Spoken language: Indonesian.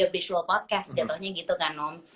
visual podcast ya tau gak gitu kan om